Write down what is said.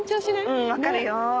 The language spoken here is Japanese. うん分かるよ。